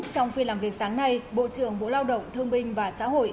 trong phiên làm việc sáng nay bộ trưởng bộ lao động thương binh và xã hội